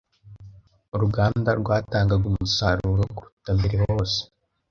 Uruganda rwatangaga umusaruro kuruta mbere hose. .